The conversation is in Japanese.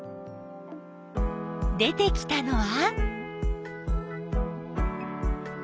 出てきたのは？